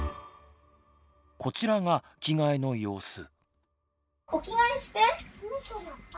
こちらが着替えの様子。